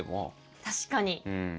確かに。